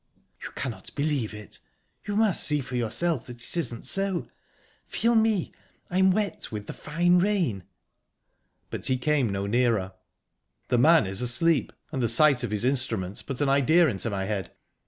"You cannot believe it. You must see for yourself that it isn't so. Feel me I'm wet with the fine rain." But he came no nearer. "The man is asleep, and the sight of his instrument put an idea into my head.